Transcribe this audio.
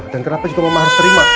dan kenapa juga mama harus terima